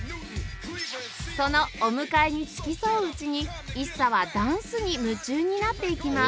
そのお迎えに付き添ううちに ＩＳＳＡ はダンスに夢中になっていきます